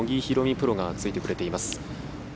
プロがついてくれています。